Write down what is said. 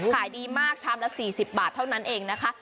ขายดีมากชามละ๔๐บาทเท่านั้นเองนะคะ